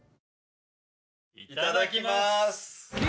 いただきます。